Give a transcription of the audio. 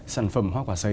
sản phẩm hoa quả sấy